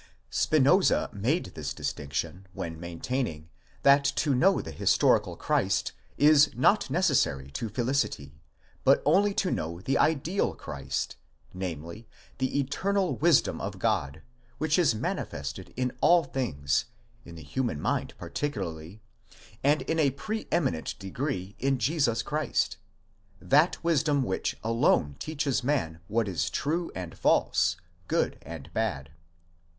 1 Spinoza made this distinction when maintaining, that to know the historical Christ is not necessary to felicity, but only to know the ideal Christ, namely, the eternal wisdom of God, which is manifested in all things, in the human mind particularly, and in a pre eminent degree in Jesus Christ—that wisdom which alone teaches man what is true and false, good and bad.?